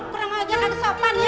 kurang ajar gak kesopan ya gitu